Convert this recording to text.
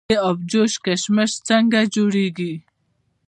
د ابجوش کشمش څنګه جوړیږي؟